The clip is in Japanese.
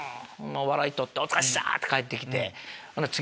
笑い取って「お疲れっした」って帰ってきて。